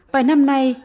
vài năm nay